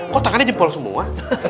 kok tangannya jempol semua